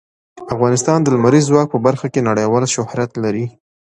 افغانستان د لمریز ځواک په برخه کې نړیوال شهرت لري.